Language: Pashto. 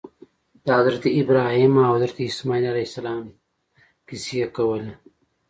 د حضرت ابراهیم او حضرت اسماعیل علیهم السلام قصې کولې.